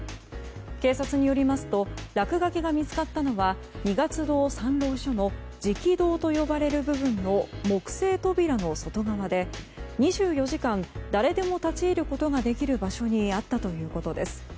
警察によりますと落書きが見つかったのは二月堂参籠所の食堂と呼ばれる部分の木製扉の外側で２４時間誰でも立ち入ることができる場所にあったということです。